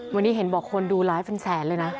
วันนี้เห็นบอกคนดูหลายเป็นแสนเลยนะ